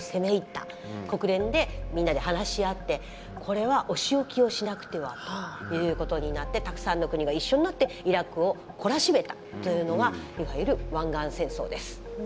国連でみんなで話し合ってこれはお仕置きをしなくてはということになってたくさんの国が一緒になってイラクを懲らしめたというのがいわゆる湾岸戦争です。